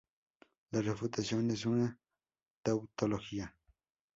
La refutación es una tautología.